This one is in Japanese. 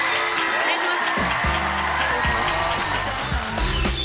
お願いします